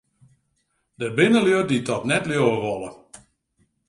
Der binne lju dy't dat net leauwe wolle.